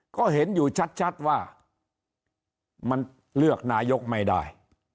ก็เห็นอยู่ชัดว่ามันเลือกนายกไม่ได้